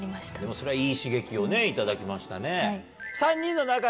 それはいい刺激を頂きましたね。